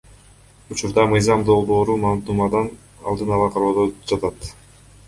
Учурда мыйзам долбоору мамдумада алдын ала кароодо жатат.